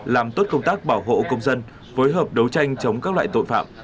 làm tốt công tác bảo hộ công dân phối hợp đấu tranh chống các loại tội phạm